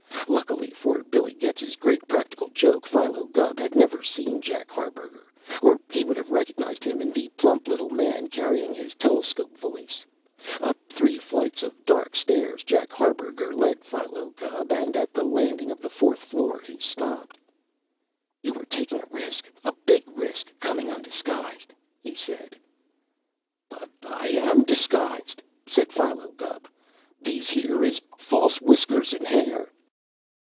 Luckily for Billy Getz's great practical joke, Philo Gubb had never seen Jack Harburger, or he would have recognized him in the plump little man carrying his telescope valise. Up three flights of dark stairs, Jack Harburger led Philo Gubb, and at the landing of the fourth floor he stopped. [Illustration: "THESE HERE IS FALSE WHISKERS AND HAIR"] "You were taking a risk a big risk coming undisguised," he said. "But I am disguised," said Philo Gubb. "These here is false whiskers and hair."